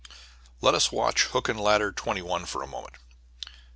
Let us watch Hook and Ladder 21 for a moment.